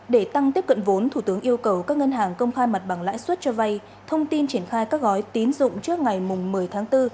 để tăng tiếp cận vốn thủ tướng yêu cầu các ngân hàng công khai mặt bằng lãi suất cho vay thông tin triển khai các gói tín dụng trước ngày một mươi tháng bốn